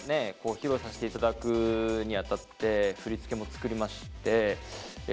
披露させて頂くにあたって振り付けも作りまして。